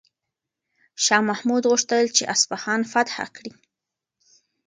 شاه محمود غوښتل چې اصفهان فتح کړي.